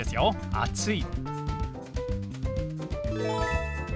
「暑い」。